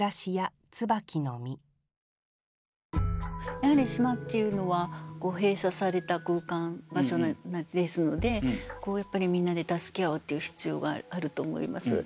やはり島っていうのは閉鎖された空間場所ですのでみんなで助け合うっていう必要があると思います。